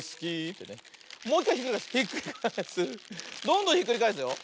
どんどんひっくりがえすよ。